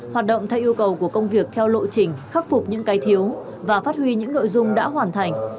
hoạt động theo yêu cầu của công việc theo lộ trình khắc phục những cái thiếu và phát huy những nội dung đã hoàn thành